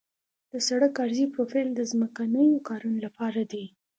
د سړک عرضي پروفیل د ځمکنیو کارونو لپاره دی